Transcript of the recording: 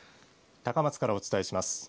高松からお伝えします。